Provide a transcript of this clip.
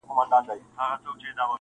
o سړي خلګو ته ویله لاس مو خلاص دئ,